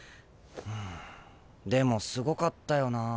うんでもすごかったよなあ。